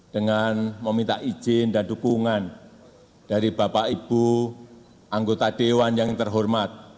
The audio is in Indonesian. dengan meminta izin dan dukungan dari bapak ibu anggota dewan yang terhormat